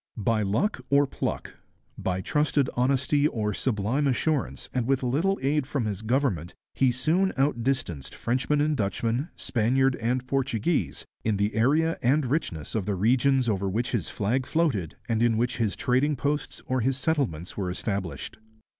By luck or pluck, by trusted honesty or sublime assurance, and with little aid from his government, he soon outdistanced Frenchman and Dutchman, Spaniard and Portuguese, in the area and richness of the regions over which his flag floated and in which his trading posts or his settlements were established.